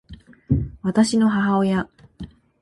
私の母親